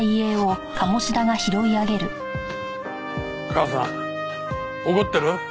母さん怒ってる？